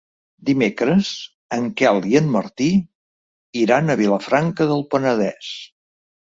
Dimecres en Quel i en Martí iran a Vilafranca del Penedès.